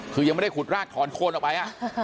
คือยังไม่ได้ขุดรากถอนโคนออกไป